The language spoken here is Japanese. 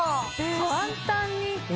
簡単に。